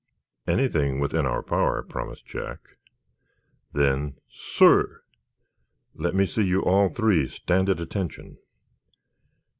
"Anything within our power," promised Jack. "Then, SIR, let me see you all three stand 'at attention.